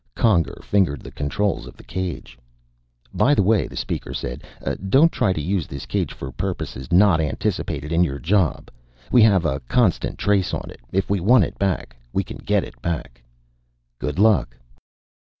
Conger fingered the controls of the cage. "By the way," the Speaker said. "Don't try to use this cage for purposes not anticipated in your job. We have a constant trace on it. If we want it back, we can get it back. Good luck."